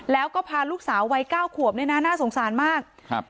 แล้วก็พาลูกสาววัยเก้าขวบเนี่ยนะน่าสงสารมากครับ